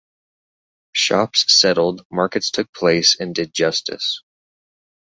Shops settled, markets took place and did justice.